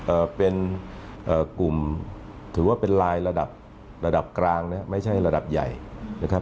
เอ่อเป็นเอ่อกลุ่มถือว่าเป็นลายระดับระดับกลางนะครับไม่ใช่ระดับใหญ่นะครับ